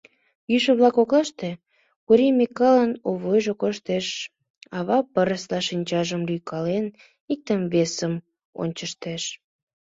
Йӱшӧ-влак коклаште Кури Микалын Овойжо коштеш, ава пырысла шинчажым лӱйкален, иктым-весым ончыштеш.